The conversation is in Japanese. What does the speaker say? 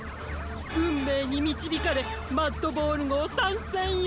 うんめいにみちびかれマッドボールごうさんせんよ！